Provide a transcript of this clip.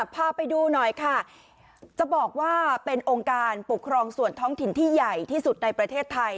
พาไปดูหน่อยค่ะจะบอกว่าเป็นองค์การปกครองส่วนท้องถิ่นที่ใหญ่ที่สุดในประเทศไทย